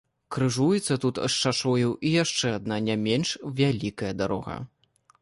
Крыжуецца тут з шашою і яшчэ адна, не менш вялікая дарога.